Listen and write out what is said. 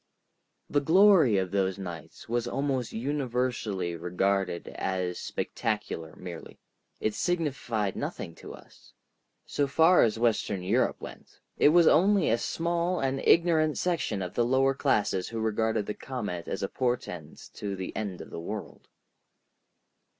The glory of those nights was almost universally regarded as spectacular merely. It signified nothing to us. So far as western Europe went, it was only a small and ignorant section of the lower classes who regarded the comet as a portent of the end of the world.